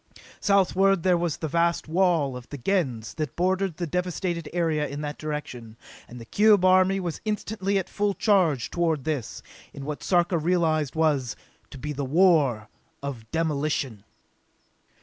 Southward there was the vast wall of the Gens that bordered the devasted area in that direction, and the cube army was instantly at full charge toward this, in what Sarka realized was, to be a war of demolition!